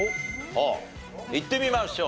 いってみましょう。